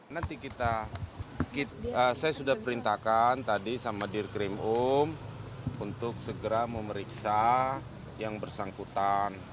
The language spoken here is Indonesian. nanti kita saya sudah perintahkan tadi sama dir krim um untuk segera memeriksa yang bersangkutan